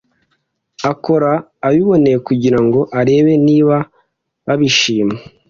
akora abiboneye kugira ngo arebe niba babishima